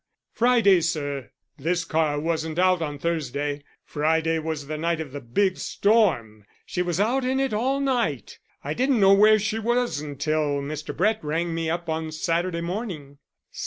"Friday, sir. This car wasn't out on Thursday. Friday was the night of the big storm. She was out in it all night. I didn't know where she was until Mr. Brett rang me up on Saturday morning."